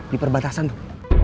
di perbatasan tuh